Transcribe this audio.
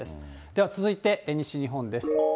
では続いて西日本です。